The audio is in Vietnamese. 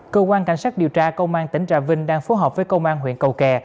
cơ quan cảnh sát điều tra công an tỉnh trà vinh đang phối hợp với công an huyện cầu kè